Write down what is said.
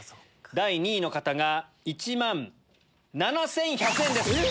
第２位の方が１万７１００円です。